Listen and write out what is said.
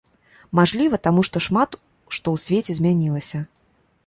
Мажліва, таму, што шмат што ў свеце змянілася.